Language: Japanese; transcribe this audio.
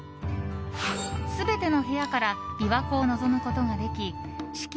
全ての部屋から琵琶湖を望むことができ四季